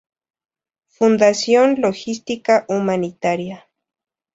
Fundación logística Humanitaria